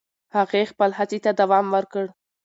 هغې خپل هڅې ته دوام ورکړ.